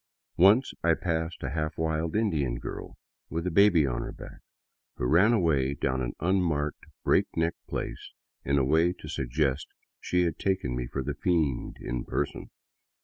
Once I passed a half wild Indian girl with a baby on her back, who ran away down an unmarked, break neck place in a way to suggest that she had taken me for the Fiend in person.